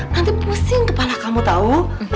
nanti pusing kepala kamu tahu